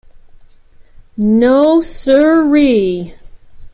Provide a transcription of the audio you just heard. No-sir-ee.